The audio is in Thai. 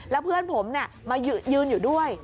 แล้วเพื่อนผมมายืนอยู่ด้วย